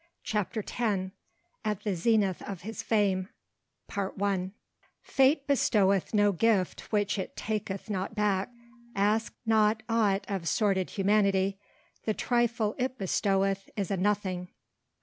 CHAPTER X AT THE ZENITH OF HIS FAME Fate bestoweth no gift which it taketh not back. Ask not aught of sordid humanity; the trifle it bestoweth is a nothing.